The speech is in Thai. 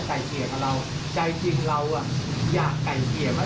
ใจจริงเราอยากไกลเกลียร์ไหม